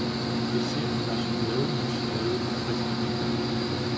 Desserten var chokolademousse lavet med friske hindbær.